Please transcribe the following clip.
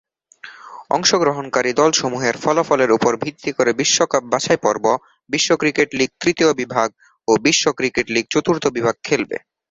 অংশগ্রহণকারী দলসমূহের ফলাফলের উপর ভিত্তি করে বিশ্বকাপ বাছাইপর্ব, বিশ্ব ক্রিকেট লীগ তৃতীয় বিভাগ ও বিশ্ব ক্রিকেট লীগ চতুর্থ বিভাগ খেলবে।